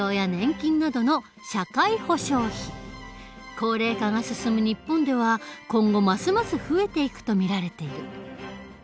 高齢化が進む日本では今後ますます増えていくと見られている。